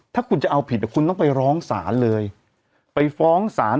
ถ้าคุณจะเอาผิดคุณต้องไปร้องศาลเลยไปฟ้องศาล